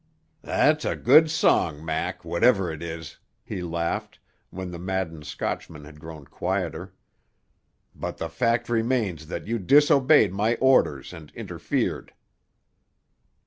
"That's a good song, Mac, whatever it is!" he laughed, when the maddened Scotchman had grown quieter. "But the fact remains that you disobeyed my orders and interfered."